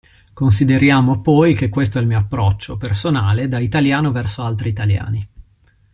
Consideriamo poi che questo è il mio approccio, personale, da italiano verso altri italiani.